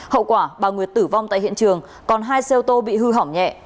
hậu quả bà nguyệt tử vong tại hiện trường còn hai xe ô tô bị hư hỏng nhẹ